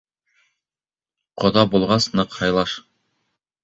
Ҡоҙа булғас, ныҡ һыйлаш.